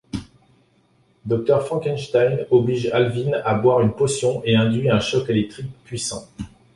Dr Frankenstein oblige Alvin à boire une potion et induit un choc électrique puissant.